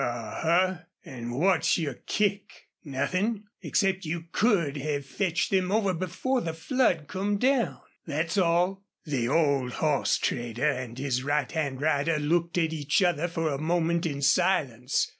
"A huh! An' what's your kick?" "Nothin' except you could have fetched them over before the flood come down. That's all." The old horse trader and his right hand rider looked at each other for a moment in silence.